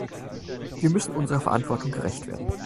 Wir müssen unserer Verantwortung gerecht werden.